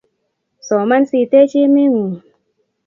Soman si tech emet ng'uung